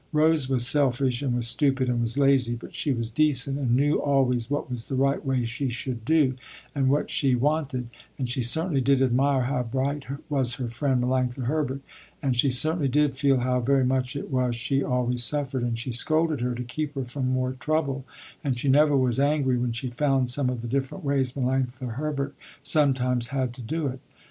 Rose was selfish and was stupid and was lazy, but she was decent and knew always what was the right way she should do, and what she wanted, and she certainly did admire how bright was her friend Melanctha Herbert, and she certainly did feel how very much it was she always suffered and she scolded her to keep her from more trouble, and she never was angry when she found some of the different ways Melanctha Herbert sometimes had to do it.